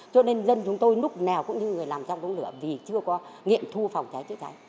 cho nên dân chúng tôi lúc nào cũng như người làm trong đống lửa vì chưa có nghiệm thu phòng cháy chữa cháy